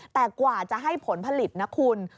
แต่กว่าจะให้ผลผลิตนะคุณ